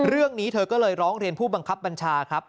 เรื่องนี้เธอก็เลยร้องเรียนผู้บังคับบัญชาครับ